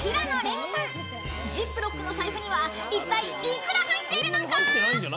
［ジップロックの財布にはいったい幾ら入っているのか？］